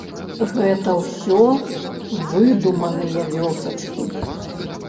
Гэта ўсё выдуманыя вёсачкі.